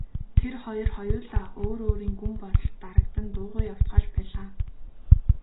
Тэр хоёр хоёулаа өөр өөрийн гүн бодолд дарагдан дуугүй явцгааж байлаа.